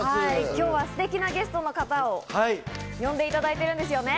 今日はステキなゲストの方を呼んでいただいてるんですよね。